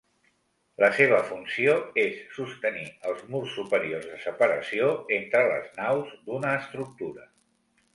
La seva funció és sostenir els murs superiors de separació entre les naus d'una estructura.